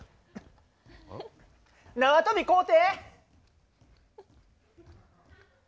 縄跳び買うて。